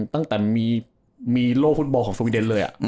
ตั้งแต่มีโลกฟุตบอลของสวีเดนเลย